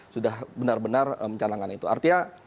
sudah benar benar mencalangkan itu artinya